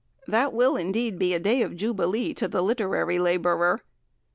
That will, indeed, be a day of jubilee to the literary labourer.